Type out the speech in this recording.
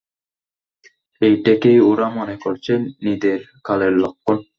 এইটেকেই ওরা মনে করেছে নিদেন কালের লক্ষণ।